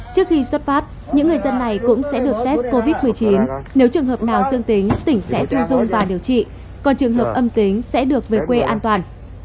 trước khi xuất phát những người dân này cũng sẽ được test covid một mươi chín nếu trường hợp nào dương tính tỉnh sẽ thu dôn và điều trị còn trường hợp âm tính sẽ được về quê an toàn